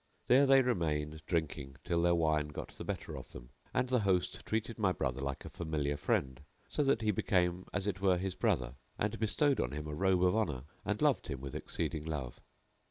There they remained drinking till their wine got the better of them and the host treated my brother like a familiar friend, so that he became as it were his brother, and bestowed on him a robe of honour and loved him with exceeding love.